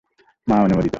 মা অনুমোদিত।